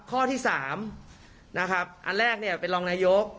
ข้อที่๓นะครับอันแรกเนี่ยเป็นรองนายก